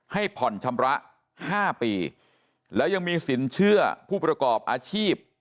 ให้ผ่อนชำระ๕ปีแล้วยังมีสินเชื่อผู้ประกอบอาชีพ